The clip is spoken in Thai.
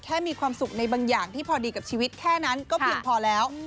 มีความสุขในบางอย่างที่พอดีกับชีวิตแค่นั้นก็เพียงพอแล้ว